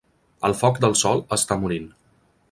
El foc del sol està morint.